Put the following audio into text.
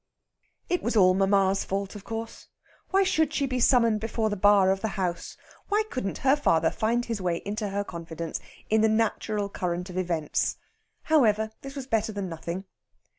It was all mamma's fault, of course. Why should she be summoned before the bar of the house? Why couldn't her father find his way into her confidence in the natural current of events? However, this was better than nothing.